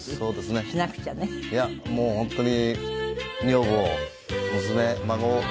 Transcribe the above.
いやもう本当に。